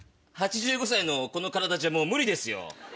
８５歳のこの体じゃもう無理ですよ。